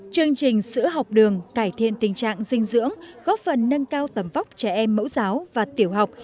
chương trình sữa học đường cải thiện tình trạng dinh dưỡng góp phần nâng cao tầm vóc trẻ em mẫu giáo và tiểu học